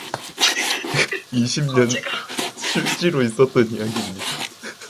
이십 년 전 실지로 있었던 이야기입니다.